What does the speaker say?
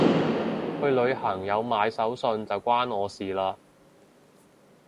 去旅行有買手信就關我事嘞